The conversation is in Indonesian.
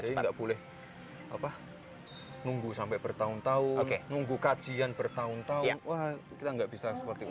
jadi nggak boleh nunggu sampai bertahun tahun nunggu kajian bertahun tahun kita nggak bisa seperti itu